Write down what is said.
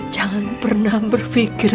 jangan pernah berpikir